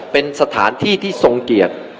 เป็นสถานที่ที่ทรงเกียรติ